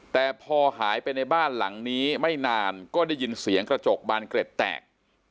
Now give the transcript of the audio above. แต่พอหายไปในบ้านหลังนี้ไม่นานก็ได้ยินเสียงกระจกบานเกร็ดแตก